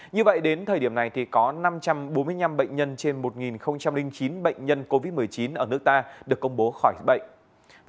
như vậy đến thời điểm này thì có năm trăm bốn mươi năm bệnh nhân trên một chín bệnh nhân covid một mươi chín ở nước ta được công bố khỏi bệnh